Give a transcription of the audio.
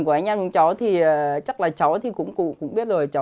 cũng như phật tử trong cả nước